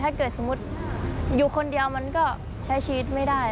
ถ้าเกิดสมมุติอยู่คนเดียวมันก็ใช้ชีวิตไม่ได้